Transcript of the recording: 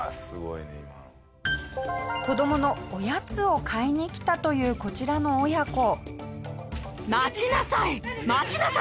子どものおやつを買いに来たというこちらの親子。